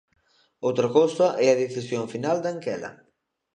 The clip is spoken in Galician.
Outra cousa é a decisión final de Anquela.